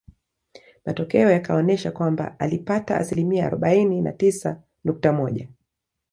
Matokeo yakaonesha kwamba alipata asilimia arobaini na tisa nukta moja